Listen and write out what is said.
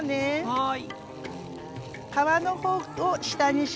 はい。